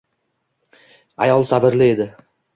Ayol sabrli edi